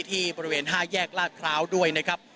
ที่บริเวณ๕แยกลาดพร้าวด้วยนะครับ